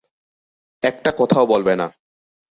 একটা কথাও বলবে না।